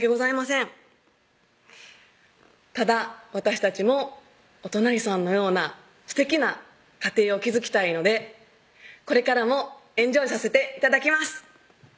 ただ私たちもお隣さんのようなすてきな家庭を築きたいのでこれからもエンジョイさせて頂きます！